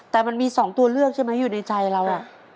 แต่มันมี๒ตัวเลือกใช่ไหมอยู่ในใจเรา